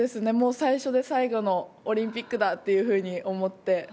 最初で最後のオリンピックだって思って。